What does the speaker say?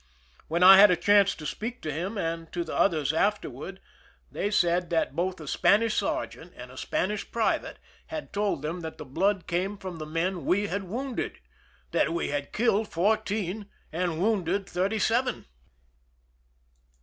When I had a chance to speak to him and to the others afterward, they said that both a 159 THE SINKING OF THE "MEREIMAC" Spanish sergeant and a Spanish private had told them that the blood came from the men we had wounded— that we had killed fourteen and wounded thirty seven